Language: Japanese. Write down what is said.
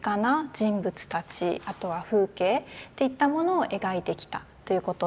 あとは風景といったものを描いてきたということです。